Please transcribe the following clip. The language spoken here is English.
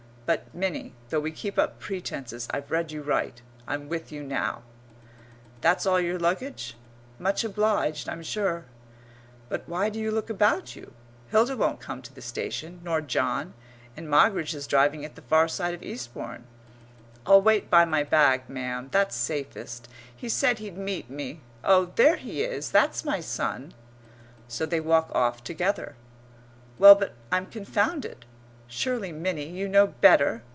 [But, Minnie, though we keep up pretences, I've read you right I'm with you now]. "That's all your luggage?" "Much obliged, I'm sure." (But why do you look about you? Hilda won't come to the station, nor John; and Moggridge is driving at the far side of Eastbourne). "I'll wait by my bag, ma'am, that's safest. He said he'd meet me.... Oh, there he is! That's my son." So they walk off together. Well, but I'm confounded.... Surely, Minnie, you know better!